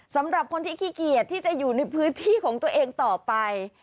สำหรับคนที่ขี้เกียจที่จะอยู่ในพื้นที่ของตัวเองต่อไป